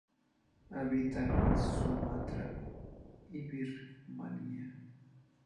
Habita en Sumatra y Birmania.